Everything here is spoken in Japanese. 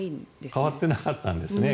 変わってなかったんですね。